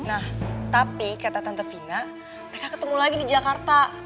nah tapi kata tante vina mereka ketemu lagi di jakarta